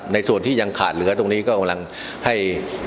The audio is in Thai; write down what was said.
ในส่วนที่ยังขาดเหลือตรงนี้ก็กำลังให้